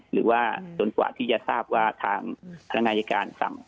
หรือว่าจนกว่าที่จะทราบว่าทางพนักงานอายการสั่ง